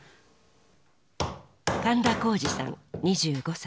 神田宏司さん２５歳。